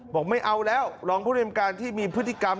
บอกไม่เอาแล้วรองผู้ในการที่มีพฤติกรรม